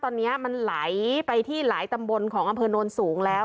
ตอนนี้มันไหลไปที่หลายตำบลของอำเภอโน้นสูงแล้ว